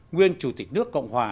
nguyên chủ tịch nước cộng hòa